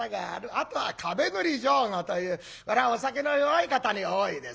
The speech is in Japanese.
あとは壁塗り上戸というこれはお酒の弱い方に多いですね。